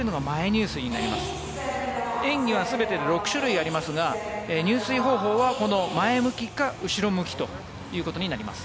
演技は全てで６種類ありますが入水方法はこの前向きか後ろ向きとなります。